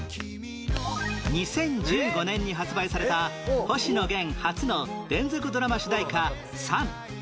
２０１５年に発売された星野源初の連続ドラマ主題歌『ＳＵＮ』